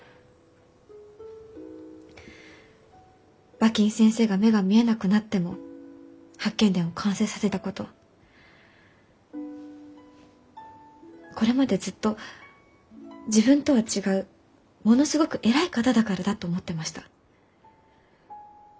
馬琴先生が目が見えなくなっても「八犬伝」を完成させたことこれまでずっと自分とは違うものすごく偉い方だからだと思ってました。